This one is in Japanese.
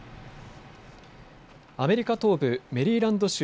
アメリカ東部メリーランド州